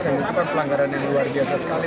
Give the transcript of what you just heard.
dan itu kan pelanggaran yang luar biasa sekali